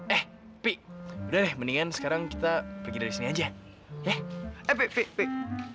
eh pih udah deh mendingan sekarang kita pergi dari sini aja ya eh pih